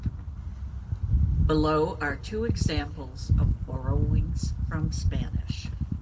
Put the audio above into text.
Below are two examples of borrowings from Spanish.